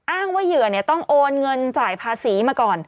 อ้างว่าเหยื่อต้องโอนเงินจ่ายภาษีมาก่อน